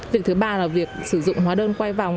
việc thứ ba là việc sử dụng hóa đơn quay vòng